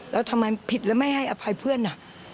แล้วทำไมผิดแล้วไม่ให้อภัยเพื่อน